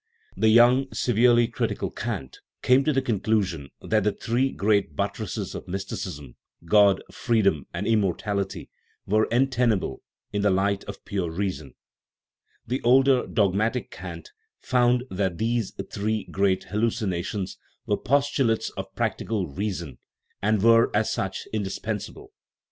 The young, severely critical Kant came to the conclusion that the three great buttresses of mysticism " God, freedom, and immortality " were untenable in the light of " pure reason"; the older, dogmatic Kant found that these 92 THE NATURE OF THE SOUL three great hallucinations were postulates of " prac tical reason/' and were, as such, indispensable.